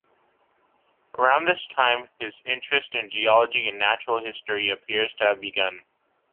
Around this time his interest in geology and natural history appears to have begun.